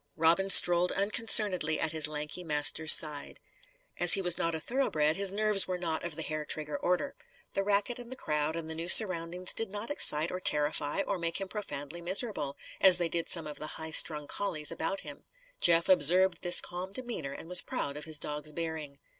Robin strolled unconcernedly at his lanky master's side. As he was not a thoroughbred, his nerves were not of the hair trigger order. The racket and the crowd and the new surroundings did not excite or terrify or make him profoundly miserable; as they did some of the high strung collies about him. Jeff observed this calm demeanour and was proud of his dog's bearing.